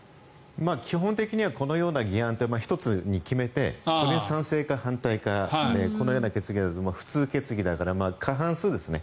基本的にはこのような議案って１つに決めて、賛成か反対かこのような決議だと普通決議だから過半数ですね。